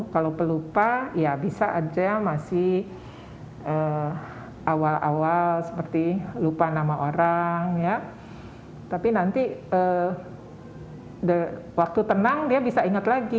kalau pelupa ya bisa aja masih awal awal seperti lupa nama orang tapi nanti waktu tenang dia bisa ingat lagi